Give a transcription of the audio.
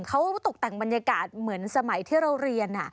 เขาตกแต่งบรรยากาศเหมือนสมัยที่เราเรียน